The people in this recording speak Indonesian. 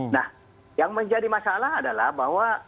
nah yang menjadi masalah adalah bahwa